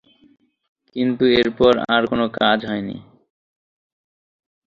কিন্তু এরপর আর কোনো কাজ হয়নি।